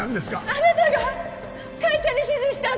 あなたが会社に指示したって！